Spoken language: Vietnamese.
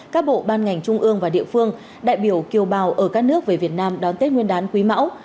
các bộ ban ngành trung ương và địa phương đại biểu kiều bào ở các nước về việt nam đón tết nguyên đán quý mão